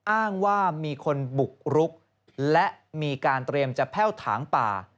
อ้างว่ามีคนบุกรุกและมีการเตรียมจะแพ่วถางป่า